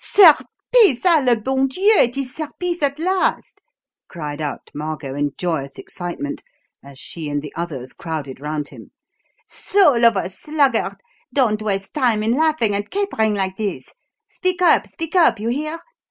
"Serpice! Ah, le bon Dieu! it is Serpice at last!" cried out Margot in joyous excitement, as she and the others crowded round him. "Soul of a sluggard, don't waste time in laughing and capering like this! Speak up, speak up, you hear?